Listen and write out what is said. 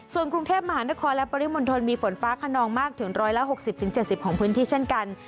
ส่วนกรุงเทพมหานครและปริมณฑลมีฝนฟ้าขนองมากถึง๑๖๐๗๐ของพื้นที่เช่นกัน